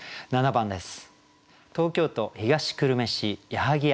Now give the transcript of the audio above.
７番です。